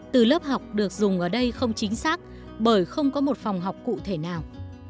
từ lớp học được dùng ở đây không chính xác bởi không có một phòng học cụ thể nào